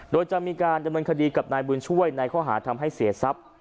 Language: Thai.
โดยจะมีการดำเนินคดีกับนายบุญช่วยในข้อหาทำให้เสียทรัพย์